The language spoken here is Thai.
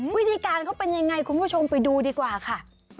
วิธีการเขาเป็นยังไงคุณผู้ชมไปดูดีกว่าค่ะ